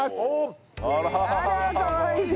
あらかわいい！